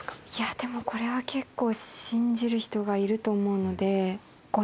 でもこれは結構信じる人がいると思うので。